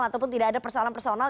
ataupun tidak ada persoalan personal